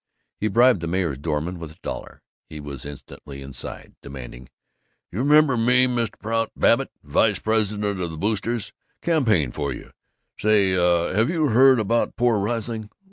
He bribed the mayor's doorman with a dollar; he was instantly inside, demanding, "You remember me, Mr. Prout? Babbitt vice president of the Boosters campaigned for you? Say, have you heard about poor Riesling?